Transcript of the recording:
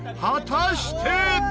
果たして。